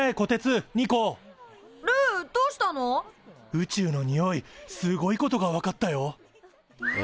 宇宙のにおいすごいことが分かったよ。